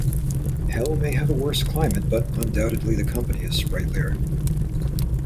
Hell may have a worse climate but undoubtedly the company is sprightlier.